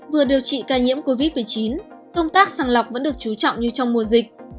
vừa điều trị ca nhiễm covid một mươi chín công tác sàng lọc vẫn được chú trọng như trong mùa dịch